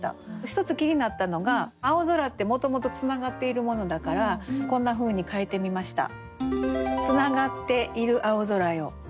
一つ気になったのが青空ってもともと繋がっているものだからこんなふうに変えてみました。